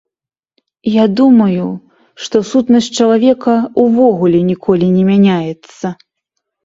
Я думаю, што сутнасць чалавека ўвогуле ніколі не мяняецца.